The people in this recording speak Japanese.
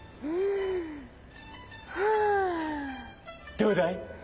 どうだい？